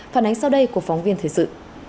phản ánh sau đây của phóng viên thời sự